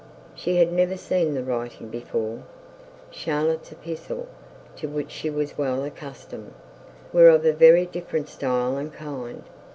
She had never seen the writing before. Charlotte's epistles, to which she was well accustomed, were of a very different style and kind.